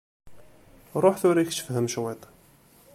Ruḥ tura kečč fhem cwiṭ…